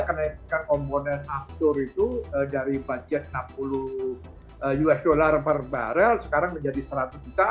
kenaikan komponen aftur itu dari budget enam puluh usd per barrel sekarang menjadi seratus juta